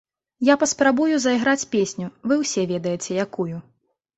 Я паспрабую зайграць песню, вы ўсе ведаеце якую.